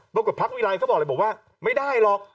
บางคนพักวิรายเธอบอกแบบว่าไม่ได้หรอก